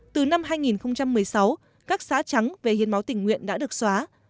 từ năm hai nghìn một mươi sáu các xã trắng về hiến máu tình nguyện đã được xóa